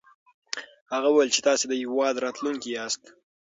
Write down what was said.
هغه وويل چې تاسې د هېواد راتلونکی ياست.